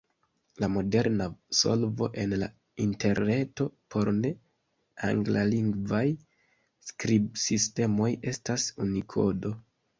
La moderna solvo en la Interreto por ne-anglalingvaj skribsistemoj estas Unikodo.